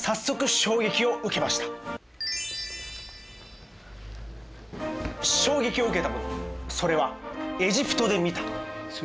衝撃を受けたものそれはエジプトで見た。